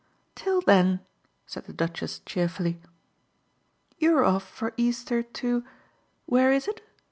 "Till then," said the Duchess cheerfully. "You're off for Easter to where is it?"